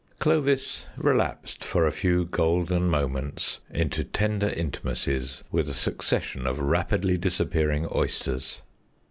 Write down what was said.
Clovis relapsed for a few golden moments into tender intimacies with a succession of rapidly disappearing oysters.